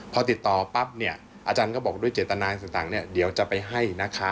พอติดต่อปั๊บอาจารย์ก็บอกด้วยเจตนาที่สังต่างนี่เดี๋ยวจะไปให้นะคะ